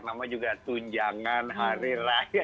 namun juga tunjangan hari raya